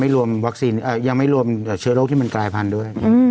นี่ก็ยังไม่รวมเชื้อโรคที่มันกลายพันธุ์ด้วย